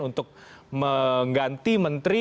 untuk mengganti menteri